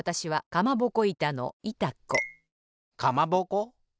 かまぼこ？